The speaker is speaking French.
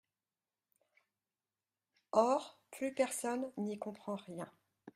Or plus personne n’y comprend rien.